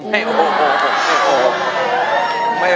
ไม่โอ้วไม่โอ้ว